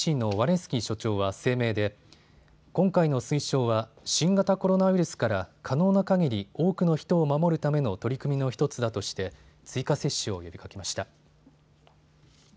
スキー所長は声明で今回の推奨は新型コロナウイルスから可能なかぎり多くの人を守るための取り組みの１つだとして追加接種を呼びかけました。